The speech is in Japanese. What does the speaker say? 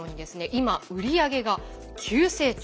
今売り上げが急成長。